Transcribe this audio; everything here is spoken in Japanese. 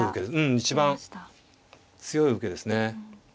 一番強い受けですね。